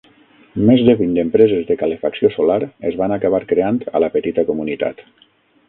Més de vint empreses de calefacció solar es van acabar creant a la petita comunitat.